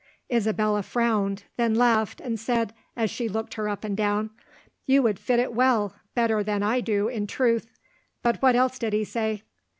Isabella frowned, then laughed, and said, as she looked her up and down: "You would fit it well, better than I do in truth. But what else did he say?"